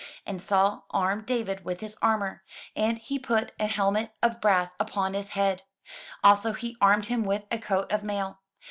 And Saul armed David with his armour, and he put an helmet of brass upon his head ; also he armed him with a coat of mail.